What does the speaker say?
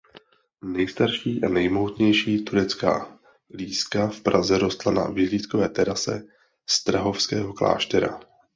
Nejstarší a nejmohutnější turecká líska v Praze rostla na vyhlídkové terase Strahovského kláštera.